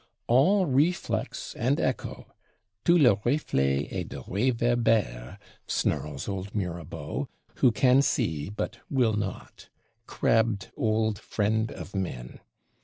"All reflex and echo (tout de reflet et de réverbère)!" snarls old Mirabeau, who can see, but will not. Crabbed old Friend of Men!